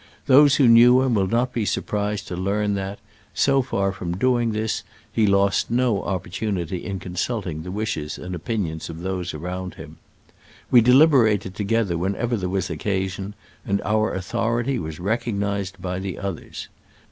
Those who knew him will not be surprised to learn that, so far from doing this, he lost no opportunity in consult ing the wishes and opinions of those around him. We deliberated together whenever there was occasion, and our authority was recognized by the others.